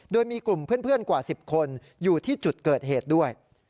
โดยมีกลุ่มเพื่อนกว่า๑๐คนอยู่ที่จุดเกิดเหตุด้วย